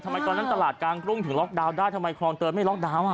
ทำไมตลาดกลางกรุ่งถึงล็อคดาวน์ได้ทำไมกรงเตยไม่ล็อคดาวน์